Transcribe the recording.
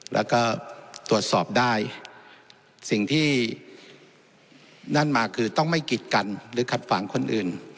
แล้วก็ตรวจสอบได้สิ่งที่นั่นมาคือต้องไม่กิดกันหรือขัดฝังคนอื่น